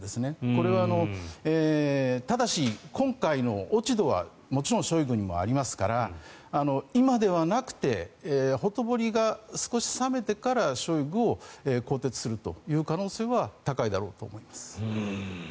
これはただし、今回の落ち度はもちろんショイグにもありますから今ではなくてほとぼりが少し冷めてからショイグを更迭するという可能性は高いだろうと思います。